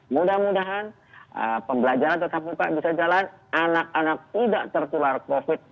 mudah mudahan pembelajaran tetap muka bisa jalan anak anak tidak tertular covid